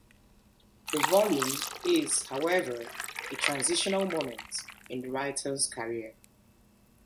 The volume is, however, a transitional moment in the writer's career.